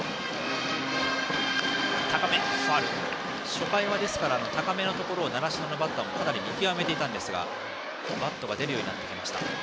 初回は高めのところを習志野のバッターもかなり見極めていたんですがバットが出るようになりました。